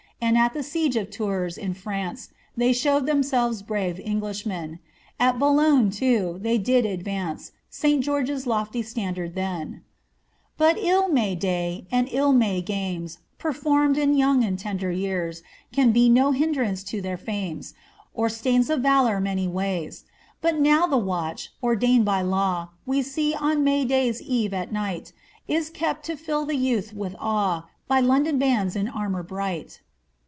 And at the siege of Tours,* in France, They showed themselves brave Eng lishmen; At Boulogne, too, they did advance St George's loAy standard then. But III May day, and ill May games, Performed in young and tender years. Can be no hindrance to their fiunes, Or stains of valour any ways. But now the vratch, ordained by law. We see on May day's eve at night. Is kept to fill the youth with awe, By London bands in armour bright."